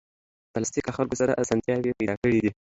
پلاستيک له خلکو سره اسانتیاوې پیدا کړې دي.